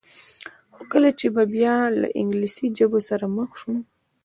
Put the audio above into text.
خو کله چې به بیا له انګلیسي ژبو سره مخ شوم.